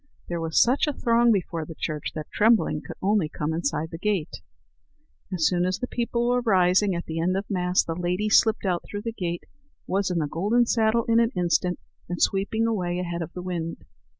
There was such a throng before the church that Trembling could only come inside the gate. As soon as the people were rising at the end of Mass, the lady slipped out through the gate, was in the golden saddle in an instant, and sweeping away ahead of the wind.